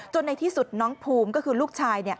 ในที่สุดน้องภูมิก็คือลูกชาย